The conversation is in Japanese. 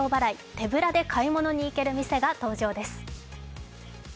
手ぶらで買い物に行ける店が登場です。